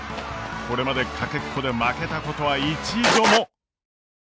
これまでかけっこで負けたことは一度も。